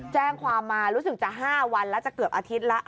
แจ้งความมารู้สึกจะ๕วันแล้วจะเกือบอาทิตย์แล้ว